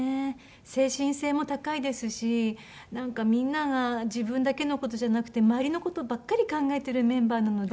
精神性も高いですしなんかみんなが自分だけの事じゃなくて周りの事ばっかり考えてるメンバーなので。